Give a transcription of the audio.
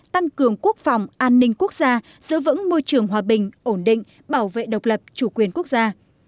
tăng cường quốc phòng an ninh quốc gia giữ vững môi trường hòa bình ổn định bảo vệ độc lập chủ quyền quốc gia